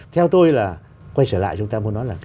theo tôi là quay trở lại chúng ta muốn nói là